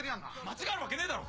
間違えるわけねえだろ！